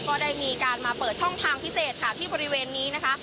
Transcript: ก็ได้มีการมาเปิดช่องทางพิเศษค่ะที่บริเวณนี้นะคะ